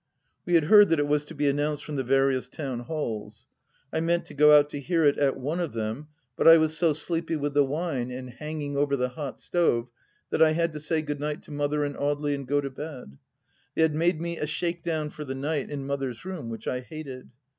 We had heard that it was to be announced from the various Town Halls. I meant to go out to hear it at one of them, but I was so sleepy with the wine and hanging over the hot stove that I had to say Good night to Mother and Audely and go to bed. They had made me up a shakedown for the night in Mother's room, which I hated.